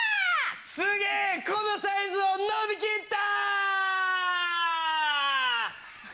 すげぇこのサイズを飲みきった！